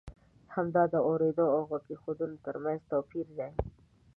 همدا د اورېدو او د غوږ اېښودنې ترمنځ توپی ر دی.